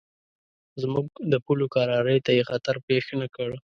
زموږ د پولو کرارۍ ته یې خطر پېښ نه کړ.